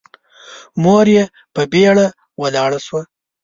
مور يې په بيړه ولاړه شوه.